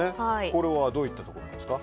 これはどういったところですか？